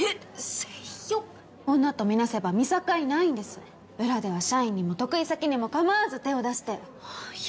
性欲女と見なせば見境ないんです裏では社員にも得意先にも構わず手を出していや